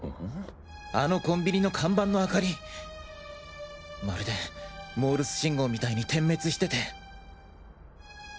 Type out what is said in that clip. あのコンビニの看板の明かりまるでモールス信号みたいに点滅してて。